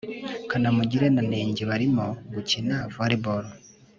kanamugire na nenge barimo gukina volley ball